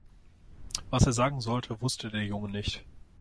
Was er sagen sollte, wusste der Junge nicht.